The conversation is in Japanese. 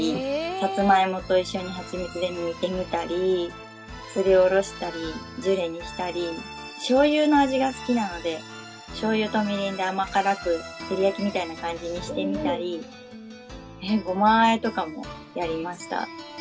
さつまいもと一緒に蜂蜜で煮てみたりすりおろしたりジュレにしたりしょうゆの味が好きなのでしょうゆとみりんで甘辛く照り焼きみたいな感じにしてみたりごまあえとかもやりました。